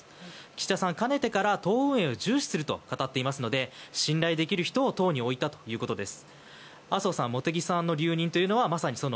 岸田さん兼ねてから党運営を重視すると語っていますので信頼している人を置いたということです。